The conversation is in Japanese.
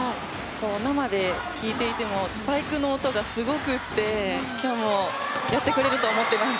生で聞いていてもスパイクの音がすごくて今日もやってくれると思ってます。